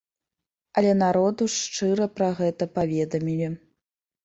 Але народу ж шчыра пра гэта паведамілі.